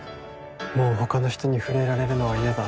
もう他の人に触れられるのは嫌だ